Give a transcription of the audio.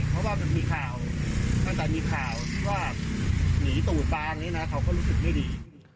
เพราะว่ามีข่าวตอนมีข่าวว่าหนีตู่ตาเขาก็รู้สึกไม่ดี